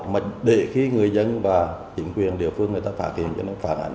mà để khi người dân và chính quyền địa phương người ta phát hiện cho nó phản ánh